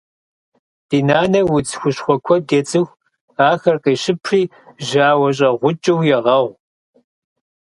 Ди нанэ удз хущхъуэ куэд ецӀыху. Ахэр къещыпри жьауэщӀэгъукӀыу егъэгъу.